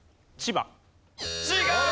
違う！